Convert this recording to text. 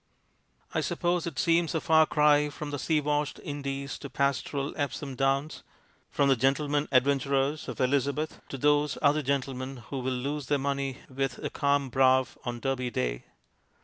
I suppose it seems a far cry from the sea washed Indies to pastoral Epsom Downs, from the gentlemen adventurers of Elizabeth to those other gentlemen who will lose their money with a calm brow on Derby Day.